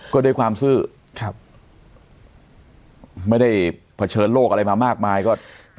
ก็ด้วยความซื่อครับไม่ได้เผชิญโลกอะไรมามากมายก็